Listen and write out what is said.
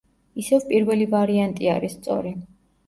ისევ პირველი ვარიანტი არის სწორი.